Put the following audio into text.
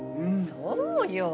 そうよ。